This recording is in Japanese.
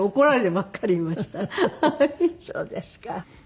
そうですか。